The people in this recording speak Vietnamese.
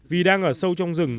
vì đang ở sâu trong rừng